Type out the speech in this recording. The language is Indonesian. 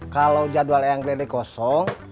kalau jadwal ayang gledek kosong